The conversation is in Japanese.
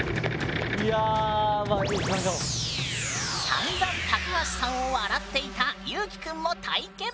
さんざん高橋さんを笑っていたユーキくんも体験！